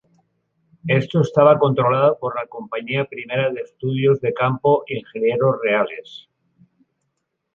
Esto estaba controlado por la Compañía Primera de Estudio de Campo, Ingenieros Reales.